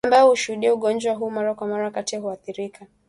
ambayo hushuhudia ugonjwa huu mara kwa mara kati ya huathirika